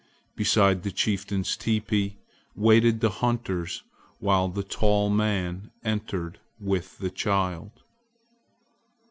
Beside the chieftain's teepee waited the hunters while the tall man entered with the child.